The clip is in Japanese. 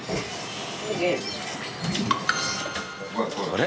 あれ？